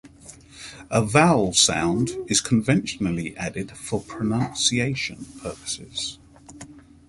A vowel sound is conventionally added for pronunciation purposes.